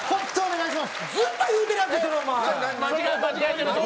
ずっと言うてるやんか。